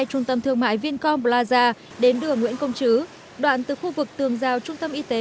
trung tâm thương mại vincom plaza đến đường nguyễn công chứ đoạn từ khu vực tường giao trung tâm y tế